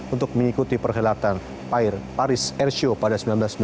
untuk mengikuti perhelatan paris airshow pada seribu sembilan ratus sembilan puluh